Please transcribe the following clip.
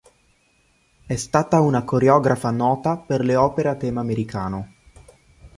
È stata una coreografa nota per le opere a tema americano.